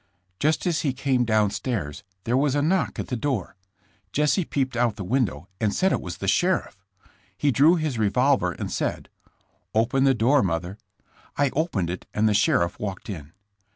Just as he came down stairs there was a knock at the door. Jesse peeped out the window and said it was the sheriff. He drew his revolver and said: " 'Open the door, mother.' "I opened it and the sheriff walked in.